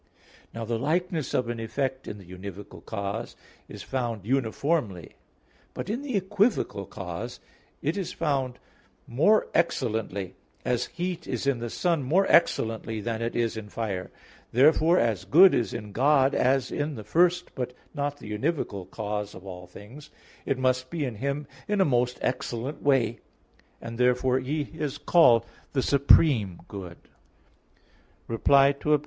Now the likeness of an effect in the univocal cause is found uniformly; but in the equivocal cause it is found more excellently, as, heat is in the sun more excellently than it is in fire. Therefore as good is in God as in the first, but not the univocal, cause of all things, it must be in Him in a most excellent way; and therefore He is called the supreme good. Reply Obj.